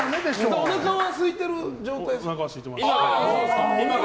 おなかはすいてる状態ですか？